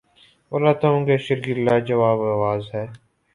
وہ لتا منگیشکر کی لا جواب آواز ہے۔